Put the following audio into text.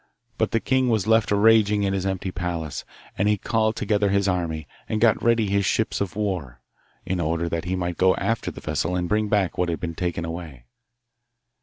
But the king was left raging in his empty palace, and he called together his army, and got ready his ships of war, in order that he might go after the vessel and bring back what had been taken away.